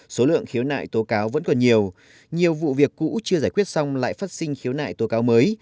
số lượng khiếu nại tố cáo vẫn còn nhiều nhiều vụ việc cũ chưa giải quyết xong lại phát sinh khiếu nại tố cáo mới